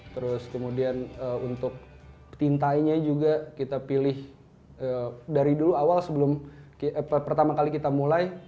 terus kemudian untuk tintainya juga kita pilih dari dulu awal sebelum pertama kali kita mulai